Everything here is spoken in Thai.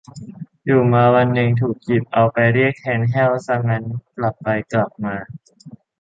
อยู่มาวันนึง ถูกหยิบเอาไปเรียกแทน แห้ว ซะงั้น กลับไปกลับมา